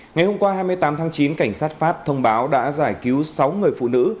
ngày hôm qua hai mươi tám tháng chín cảnh sát pháp thông báo đã giải cứu sáu người phụ nữ